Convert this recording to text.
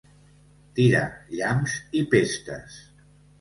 Tirar llamps i pestes.